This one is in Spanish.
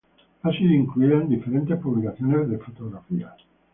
Ha sido incluida en diferentes publicaciones de fotografía.